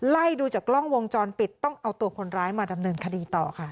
ไล่ดูจากกล้องวงจรปิดต้องเอาตัวคนร้ายมาดำเนินคดีต่อค่ะ